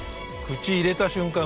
口入れた瞬間